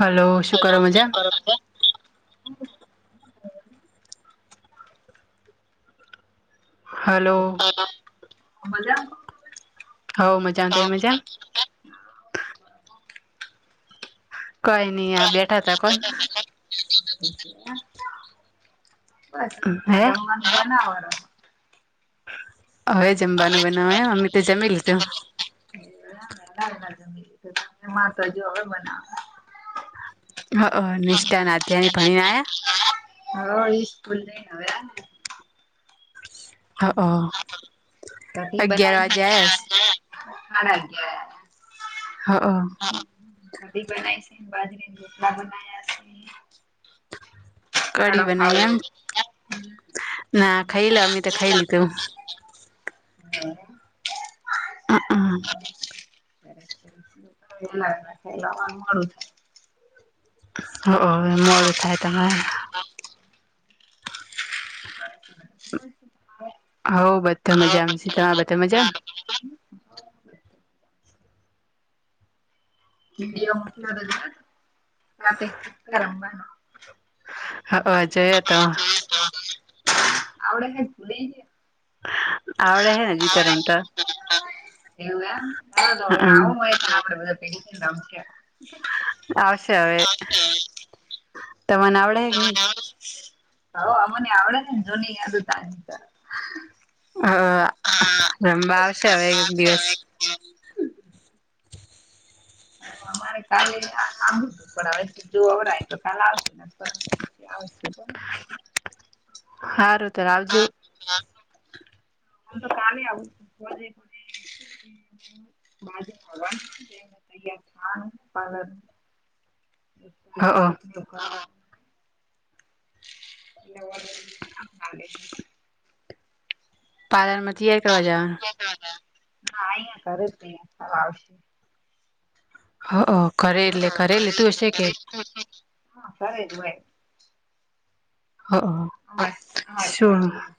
Hello. શું કરો મજા? હલો. મજા. હો મજા આવતા હોય મજા. કંઈ નહી. આ બેઠાત કોણ બસ આ હે જમવાનું બનાવનું. હવે જમવાનું બનાવે. અમે તો જમી લીધું. [unintelligible] હ, નિષ્ઠા ના ત્યની ભણીનેયા. હ, ઈ સ્કૂલ નઈ આવે. હ, અગિયાર વાગે આયા છે. હણાગ્યા [unintelligible] હા હ. [unintelligible] બનાય છેને બાજરીને રોટલા બનાયા. છે ખાડો કઢી બનાવી ખાવો એમ. હમ ના ખાઈ લે અમે તો ખાઈ લીધું. હમ હ હ, [unintelligible] વા [unintelligible] હ, હવે મોડુ થહે તમારે. હ [unintelligible] [inaudible] હઉ બધા મજા. તમે બધા મજા. [unintelligible] હા, અ આવડે કઈ જોડે છે. આવડે હ ને હજી? તો રમતા. એવું એમ, હ આવું હોય, બધુ. પે મ [unintelligible] આવશે હવે તો? મને આવડે હે કે નહીં? હ, મને આવડે ને જોની યાદો તાજા હ, હવે આવશે કોઈ દિવસ. હા. હા, અમારે કાલે પણ હવે જોઅવાય તો કાલ આવશુ. હારું તો, આવજો. મ તો કાલે આવું. બાજુ તૈયાર. હ ખ [unintelligible] એટલે [unintelligible] પાર્નમાં તૈયાર કર જા હ અહં કરે આવશે હ ઓ કરે એટલે હા કર એટલે તું હશે કે હા સરરે ન હોય હા હ હા હ કર થ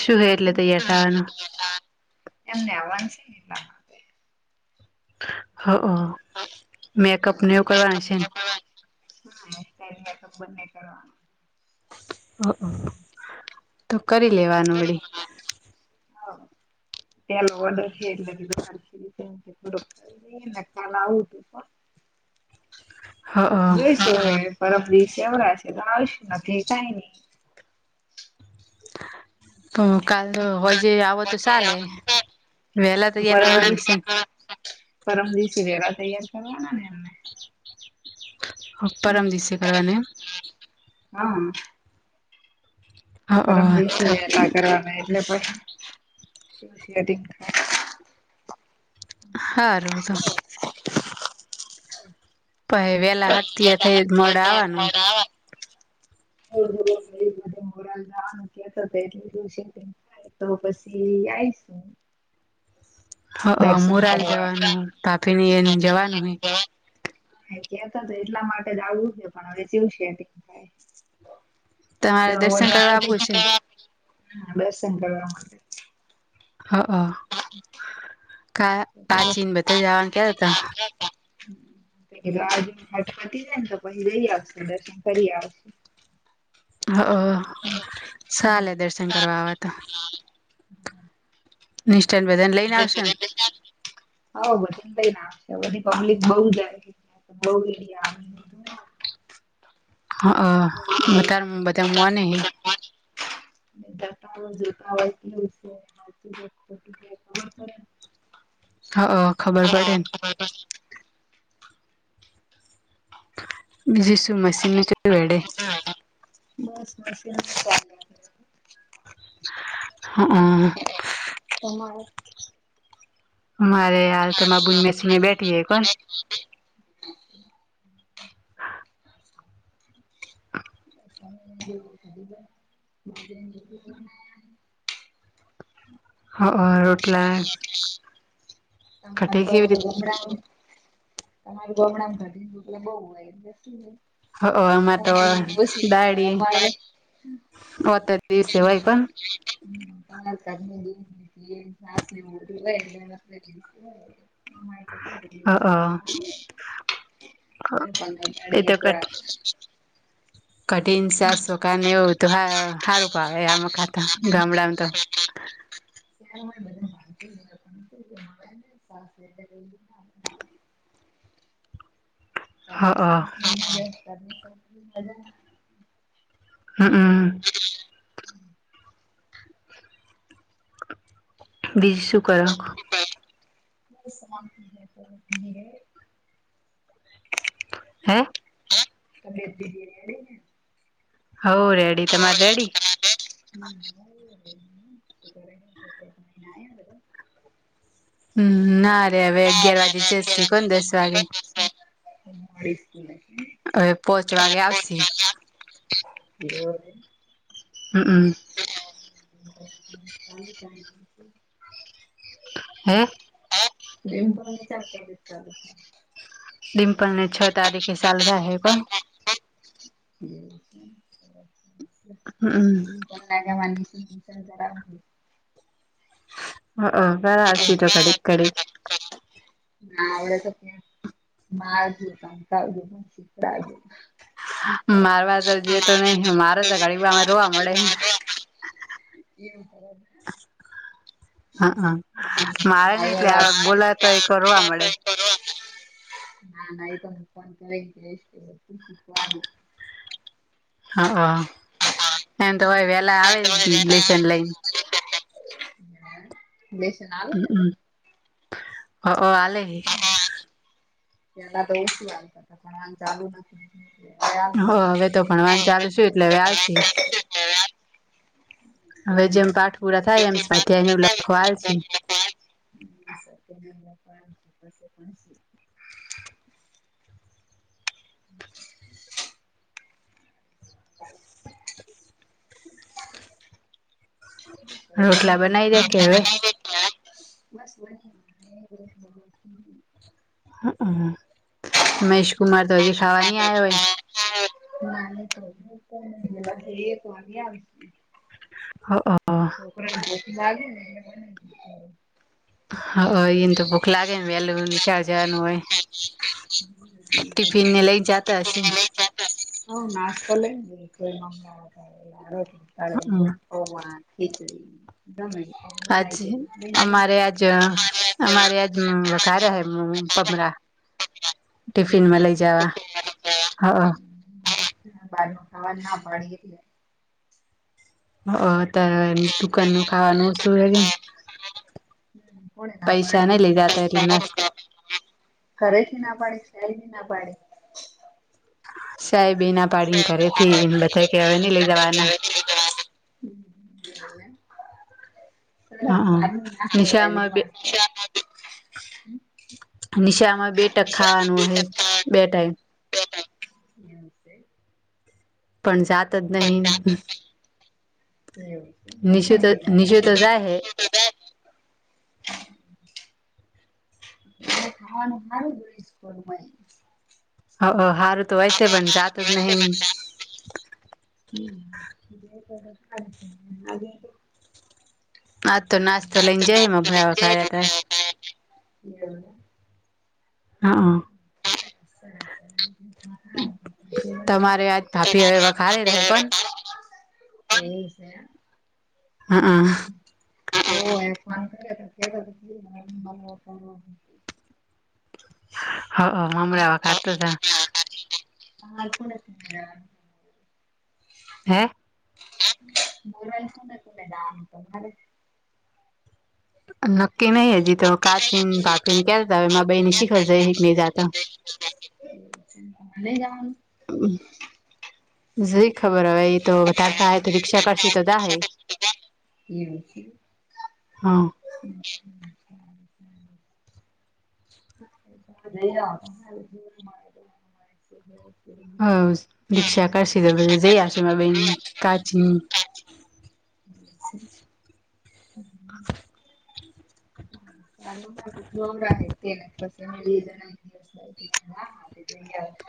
શું હે એટલે તૈયાર થવાનું [inaudible] એમને આવવાનું છે. હ મેકઅપ ને એવું કરવાનું છે. હા તો બંને કરવાનું ઓ તો કરી લેવા નુ વળી. હ ત્યાલોડર છે, એટલે [unintelligible] હ જોઈશું પરબ દિવસે [unintelligible] છે ગ આવીશું નથી કઈ નઈ તો કાલ હજે આવો તો ચાલે વહેલા તૈયાર કરવાના છે ને પરમજી સવેરા તૈયાર કરવાના નેમ પરમ દિવસે કરવાને હા. હ પરમ દિવસેતા કરવાના એટલે પણ હા રો તો પ વેલા હય થઈ મોડે આવાનું [unintelligible] મોલ લવાનું કેતો તો એટલું બધ શે થાય તો પછી આવીઈશું હ મુરાલ કરવા. જવાનું પાપીની એને જવાનું હોય કેતા તો એટલા માટે જ આવવું છે પણ હવે જેવું શેટિંગ થાય તમારે જો કરવા દર્શન આવવું હશે ને કરવા માટે. હ હ કા પ્રાચીન બધા જવાનું ક્યા હતા આજુ હટપતિ છે, ને તો પછ રઈ આવશે દર્શન કરી આવશે હ ચાલે દર્શન કરવા વા તો નિષ્ઠાન બધાને લઈને આવશે ને [unintelligible] હ બધનેઈનેશે બધી પબ્લિક બહુ જ [unintelligible] હ બતાર બતામઆને હૈ. જટ જતા વાકી [unintelligible] [unintelligible] હા ખબર પડે હમ. બીજું શું મશીન નું કેું વેડે [unintelligible] હઅ [unintelligible] મારે હાલ તો બુનમેસને બેઠી હ કોણ [inaudible] [inaudible] હા અ રોટલા. [unintelligible] કઢી કેવી રીત તમારું બમણામ ઘરી એટલે બઉુય હ મ દાડીત અમારે [unintelligible] [unintelligible] [unintelligible] [unintelligible] [unintelligible] કઠિન સાસોકા ને એવું તો સારું ભાવે આમાં ખાતા ગામડામાં તો [unintelligible] હા [unintelligible] હમ હમ. બીજું શું કરક બ સ [inaudible] હે [unintelligible] હો રેડી ના તમારે રેડી [inaudible] હમ ના રે હવે અગિયાર વાગે જસી કોને દસ વાગે હા મળ એવે પોહોચ વાગે આવશ એ હમ હમ [inaudible] હે ડમ પણ ચાલ કર ચાલુ ડિમ્પલ ને છ તારીખે ચાલ રા હ પણ [inaudible] હમમ. [unintelligible] જરા [unintelligible] ના આવડે તો ક્યાં [unintelligible] માર વા તો જે તો નહી મારે તો ગડીબામાં રોવા મળે એમ હા હ મારે નહ એટલે આગળ બોલાય તો એ કરવા મળે નાઈ તો [inaudible] હ એમ તોય વેલા આવે લસન લઈને હ બેેશ ના હમમ હ આલે હ પા તો ઓછું આવતા પણ આમ ચાલુ નથી હવે હ આવતા હવે તો ભણવાન ચાલુ છેું એટલે હળ આ છે હમ હવે જેમ પાઠ પૂરા થાય એમ સાથેયે આવુ એની લખવાલ અલ્સે છે [inaudible] [inaudible] [unintelligible] એક રોટલા બનાવી દે કે હવે મહેશકુમાર તો હજી ખાવાની આવે હોય ના તો થ એક વાગ્યા આવ હ હ લાગેને એ હ એને તો ભૂખ લાગે ને વહેલું નીશાળ જવાનું હોય ટિફિન ને લઈ જતા હશે ને હ નાશતો લે જાય હમ [unintelligible] ઓવા આજ [unintelligible] અમારે આજ અમારે આજ વઘાર્યા હે અચ્છા મમરા દિવસે ટિફિનમાં લઈ જાવા હઅ બારનું ખાવાની ના પાડી એટલે હઅ તો દુકાનનું ખાવાનું શું હે કે હમ કોણે ના પૈસા નઈ લઈ જતા એટલે નાસ્ પાડી [inaudible] ઘરેથી ના પાડે સાઇડે ના પાડે? સાહેબે ના પાડી ને ઘરેથી લકાઈ કે કે નઈ લઈ જવાના. હઅ નિશામાં બે [unintelligible] નિશાળમાં બે ટક ખાવાનું હે બે ટાઈમ એવું સે પણ જાત ત જ નહી ન એવું નિશી તો નિશી તો જાહે. તો જાયહે. ઘરે ખાવાનું હારું જ હોય છે. [inaudible] હઅ હારું તો હોય છે પન જાતો જ નહીં ને હમ હજી એક વખત [inaudible] આ તો નાસ્તો લઈને જહીં મમરા [inaudible] [inaudible] હઅ. તમારે આજ ભાભી હવે વઘારે રહે [inaudible] [inaudible] એ સે હહ હઅ હઅ [inaudible] હઅ મમરા વધારતા તા. હા કોણે [inaudible] હે બોલાય શું ને [inaudible] નક્કી નહી હજી તો કાચીન ભાપીને કેતાતા હવે બઈ ની શિખર જઈ હી એક નઈ જાતા. [inaudible] નહિ જાવાનું? હમ જી ખબર હવે એતો હવે તાર થાય તો રિક્ષા કરશે તો જાહે. એવું છે. હહ [inaudible] [inaudible] જઈ આવો તમે [inaudible] હહ રીક્ષા કરશે તો પછી જઈ આવસુ મારી બેન કાચીને અમ હહ સારું હાલ તો ધ્યોન રાખજે તેને પસે તમે બે જણાને પિયર્સ બાકી છે હા હા તે જઈ આવશે.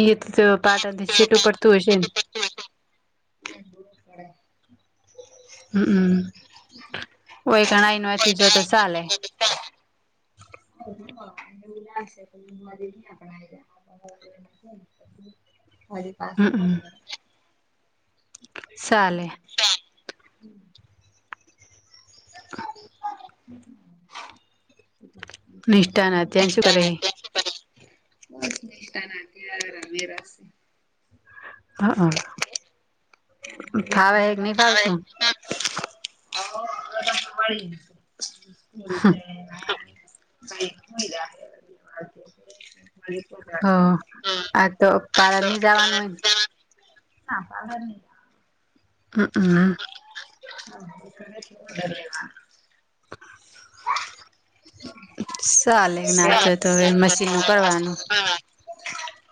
ઈ તો તો પાટણથી છેટું પડતું હશે ને? [inaudible] એમ દૂર પડે. હમઅ તોય ગણાએ નથી જતો બસ સાલે [inaudible] [inaudible] હજી પાસે આવશે. સાલે [inaudible] [inaudible] નિષ્ઠાના ત્યાં શું કરે બસ નિષઠા ના કે રમેરા શે. હ ફાવ હમ હ કે નહી ફાવ તું હ મળી રીતે ક હ. હ આ તો પારની જવાનું હોય ને હા હમ હમ હવે ચાલે નાચ તો હવે મશીન નું કરવાનું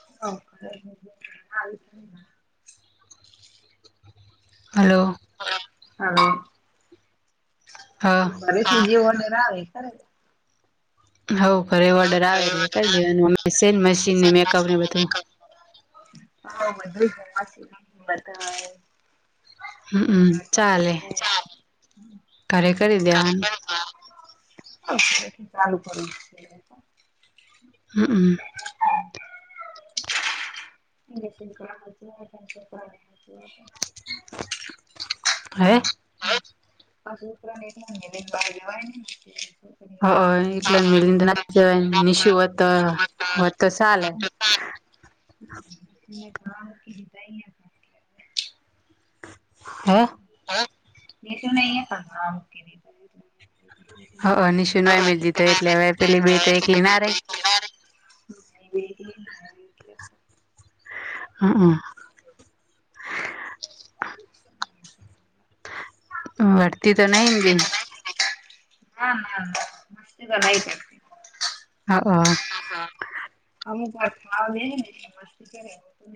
ફરીથી હલોવ હા હવેથી જેવનેરા આવે ખરે હઉ ભરે ઓર્ડર આવે હા એટલે કરી દેવાનુંમે મશીન ને મેકઅપ ને બધું હા બધું જોવા છે બતાય હમમ ચાલે ઘરે કરી દેવાનું હ ચાલુ કરો હમમ. એ હે રાને બે લવાય હ એકલ મેલી ના નિનીશી હોત હોત તો સાલ મે કકી જી તઈ હે? ની શું નહી પણી હ નિશુને ય મેલી દીધો એટલે હવે પેલી બે તો એકલી ના રહી હ એ હા હા વળતી તો નહીિ ભી હા ના મસ્ તોઈ હા હા. અમુક ખાવ લે ને એટલે મસ્તી કરે